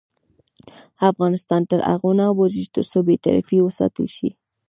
افغانستان تر هغو نه ابادیږي، ترڅو بې طرفي وساتل شي.